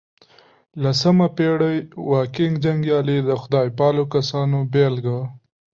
لسمه پېړۍ واکینګ جنګيالي د خدای پالو کسانو بېلګه وه.